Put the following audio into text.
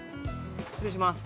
失礼します